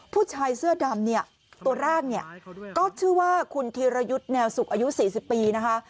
ผู้ชายเสื้อดำเนี่ยตัวแรกเนี่ยก็ชื่อว่าคุณธีรยุทธ์แนวสุกอายุ๔๐ปีนะคะ